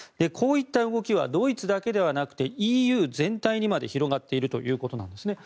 こういった動きはドイツだけではなくてＥＵ全体にまで広がっているということです。